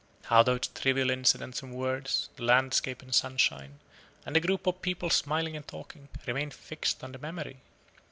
How those trivial incidents and words, the landscape and sunshine, and the group of people smiling and talking, remain fixed on the memory!